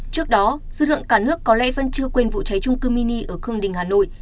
trước đó dư luận cả nước có lẽ vẫn chưa quên vụ cháy trung cư mini ở khương đình hà nội